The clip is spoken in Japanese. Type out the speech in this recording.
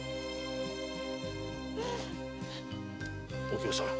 お京さん